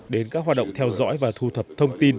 đến các hoạt động theo dõi và thu thập thông tin